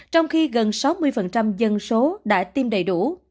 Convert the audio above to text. trong khi gần sáu mươi dân số đã tiêm đầy đủ